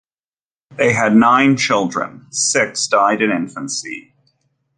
They had nine children, six died in infancy.